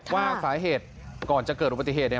ว่าสาเหตุก่อนจะเกิดอุปติเหตุ